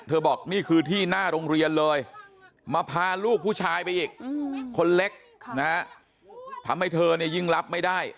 ทำให้เธอเนี่ยยิ่งรับไม่ได้